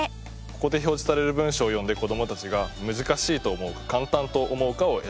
ここで表示される文章を読んで子どもたちが難しいと思うか簡単と思うかを選んでいきます。